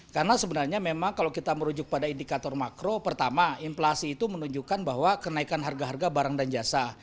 karena sebenarnya memang kalau kita merujuk pada indikator makro pertama inflasi itu menunjukkan bahwa kenaikan harga harga barang dan jasa